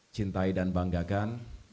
cintai dan banggakan